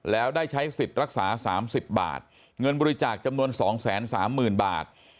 แล้วได้ใช้สิทธิ์รักษาสามสิบบาทเงินบริจาคจำนวนสองแสนสามหมื่นบาท